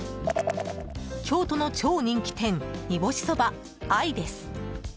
京都の超人気店煮干そば藍です。